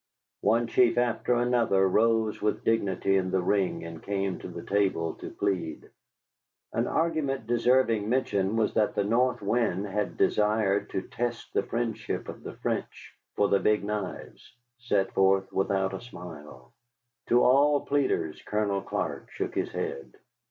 One chief after another rose with dignity in the ring and came to the table to plead. An argument deserving mention was that the North Wind had desired to test the friendship of the French for the Big Knives, set forth without a smile. To all pleaders Colonel Clark shook his head.